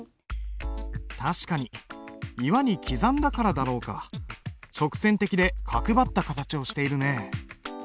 確かに岩に刻んだからだろうか直線的で角張った形をしているねえ。